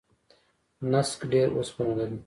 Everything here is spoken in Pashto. نسک ډیر اوسپنه لري.